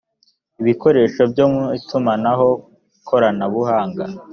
ibikoresho byo mu itumanaho koranabuhanga